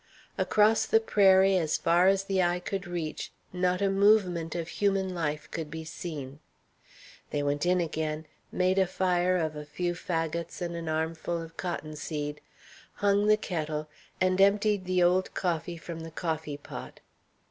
Across the prairie, as far as the eye could reach, not a movement of human life could be seen. They went in again, made a fire of a few fagots and an armful of cotton seed, hung the kettle, and emptied the old coffee from the coffee pot.